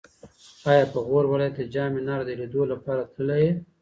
ایا په غور ولایت کې د جام منار د لیدو لپاره تللی یې؟